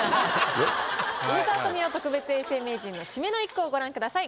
梅沢富美男特別永世名人の締めの一句をご覧ください。